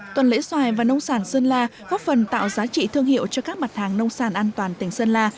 tuần lễ xoài và nông sản sơn la góp phần tạo giá trị thương hiệu cho các mặt hàng nông sản an toàn tỉnh sơn la